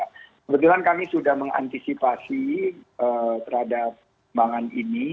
kebetulan kami sudah mengantisipasi terhadap pembangunan ini